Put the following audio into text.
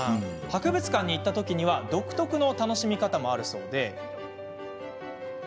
博物館に行ったときには独特の楽しみ方もあるそうで。